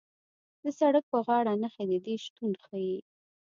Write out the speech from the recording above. د سړک په غاړه نښې د دې شتون ښیي